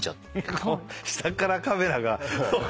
下からカメラが。